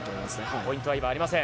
ポイントは今ありません。